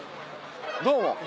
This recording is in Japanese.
どうも。